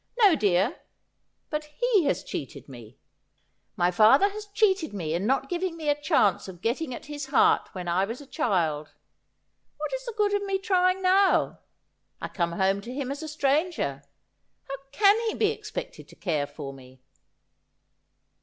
No, dear ; but he has cheated me. My father has cheated me in not giving me a chance of getting at his heart when I was a child. What is the good of my trying now ? I come home to him as a stranger. How can he be expected to care for me